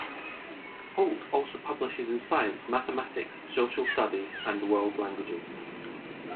Holt also publishes in science, mathematics, social studies, and world languages.